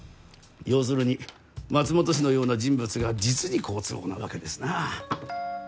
要するに松本氏のような人物が実に好都合なわけですな。